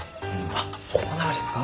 あそうながですか！